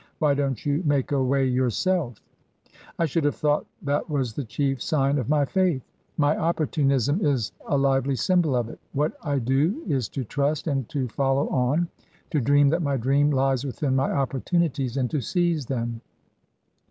Why don't you make a way yourself?'* *' I should have thought that was the chief sign of my faith. My opportunism is a lively symbol of it. What I do is to trust, and to follow on : to dream that my dream lies within my opportunities, and to seize them."